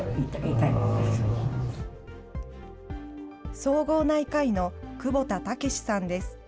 総合内科医の窪田剛さんです。